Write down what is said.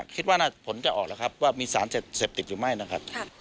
คิดว่าผลจะออกแล้วครับว่ามีสารเสพติดหรือไม่นะครับ